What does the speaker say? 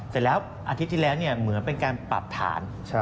เสร็จแล้วอาทิตย์ที่แล้วเหมือนเป็นการปรับฐาน